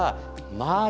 周り？